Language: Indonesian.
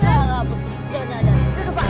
duh duda pak